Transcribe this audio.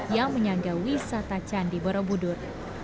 yang menyangga wisata candi borobudur